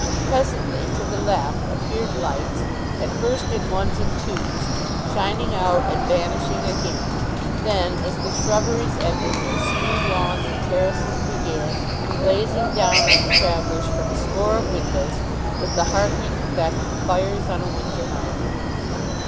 Presently to the left appeared lights, at first in ones and twos, shining out and vanishing again; then, as the shrubberies ended and the smooth lawns and terraces began, blazing down on the travelers from a score of windows, with the heartening effect of fires on a winter night.